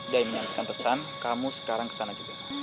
dia menyampaikan pesan kamu sekarang kesana juga